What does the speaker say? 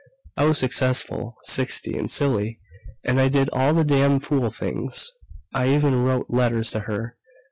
I was successful, sixty, and silly, and I did all the damn fool things I even wrote letters to her.